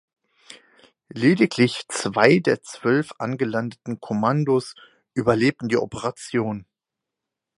Lediglich zwei der zwölf angelandeten Kommandos überlebten die Operation.